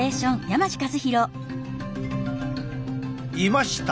いました！